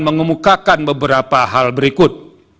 mengemukakan beberapa hal berikut